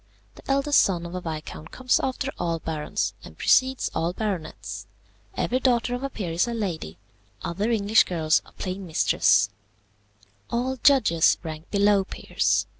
The eldest son of a viscount comes after all barons, and precedes all baronets. Every daughter of a peer is a Lady. Other English girls are plain Mistress. "All judges rank below peers.